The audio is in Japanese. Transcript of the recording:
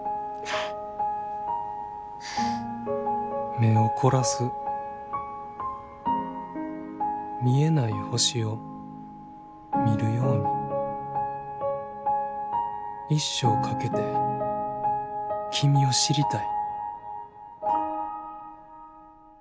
「目を凝らす見えない星を見るように一生かけて君を知りたい」